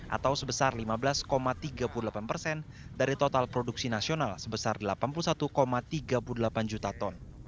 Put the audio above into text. atau sebesar lima belas tiga puluh delapan persen dari total produksi nasional sebesar delapan puluh satu tiga puluh delapan juta ton